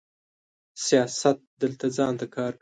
سیاست دلته ځان ته کار کوي.